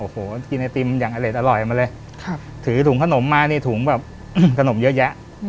ก็ทนตามภาษาเด็กก็มีอยู่วันหนึ่ง